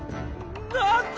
なんだ